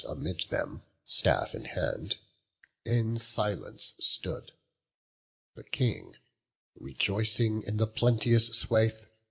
Amid them, staff in hand, in silence stood The King, rejoicing in the plenteous swathe.